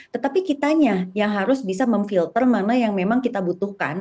tetapi kitanya yang harus bisa memfilter mana yang memang kita butuhkan